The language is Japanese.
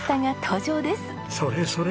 それそれ！